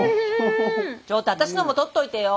ちょっと私のも取っといてよ。